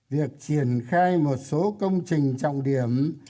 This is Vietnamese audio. việc triển khai một số công trình trọng điểm